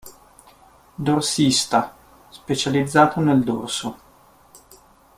"Dorsista": Specializzato nel dorso.